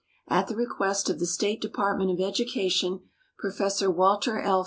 At the request of the State Department of Education Professor Walter L.